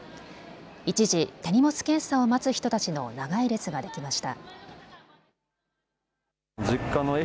一時、手荷物検査を待つ人たちの長い列ができました。